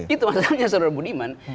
itu masalahnya saudara bu diman